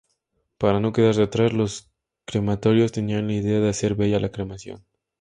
Para no quedarse atrás, los crematorios tenían la idea de hacer bella la cremación.